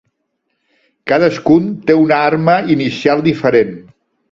Cadascun té una arma inicial diferent.